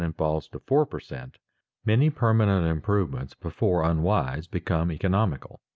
and falls to four per cent. many permanent improvements before unwise become economical.